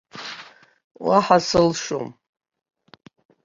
Уаҳа сылшом!